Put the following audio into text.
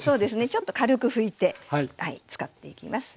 ちょっと軽く拭いて使っていきます。